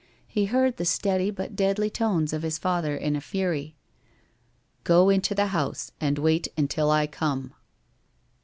He heard the steady but deadly tones of his father in a fury: "Go into the house and wait until I come."